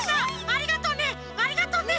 ありがとうね！